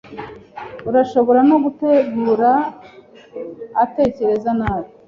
Arashobora no gutegura, atekereza nabi